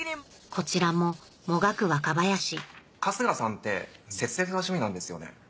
こちらももがく若林春日さんって節約が趣味なんですよね？